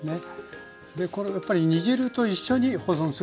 でこれやっぱり煮汁と一緒に保存する。